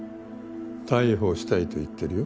逮捕したいと言ってるよ。